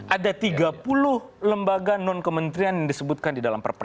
ada tiga puluh lembaga non kementerian yang disebutkan di dalam perpres